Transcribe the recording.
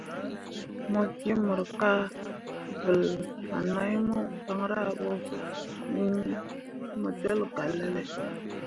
Mo gi mor kah vǝl fan mai mo banra bo iŋ mo jol galale.